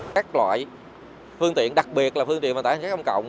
các loại phương tiện đặc biệt là phương tiện hành khách công cộng